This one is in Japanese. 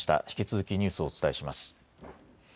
引き続きニュースをお伝えします。